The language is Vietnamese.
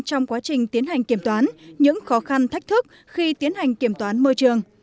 trong quá trình tiến hành kiểm toán những khó khăn thách thức khi tiến hành kiểm toán môi trường